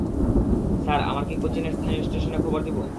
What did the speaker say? Sir, আমরা কি কোচিনের স্থানীয় স্টেশনে খবর দিব?